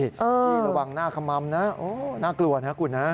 นี่ระวังหน้าขมัมนะน่ากลัวนะคุณนะ